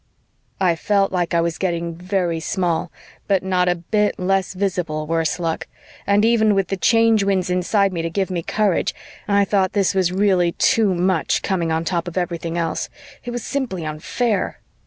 I felt like I was getting very small, but not a bit less visible, worse luck, and even with the Change Winds inside me to give me courage, I thought this was really too much, coming on top of everything else; it was simply unfair.